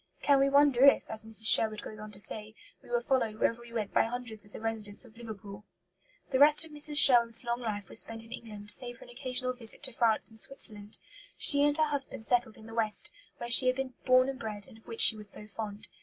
Can we wonder if, as Mrs. Sherwood goes on to say, "we were followed wherever we went by hundreds of the residents of Liverpool"? The rest of Mrs. Sherwood's long life was spent in England, save for an occasional visit to France and Switzerland. She and her husband settled in the west, where she had been born and bred, and of which she was so fond.